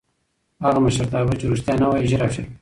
هغه مشرتابه چې رښتیا نه وايي ژر افشا کېږي